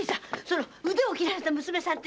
その腕を切られた娘さん